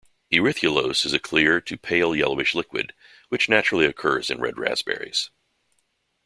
Erythrulose is a clear to pale-yellowish liquid, which naturally occurs in red raspberries.